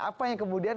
apa yang kemudian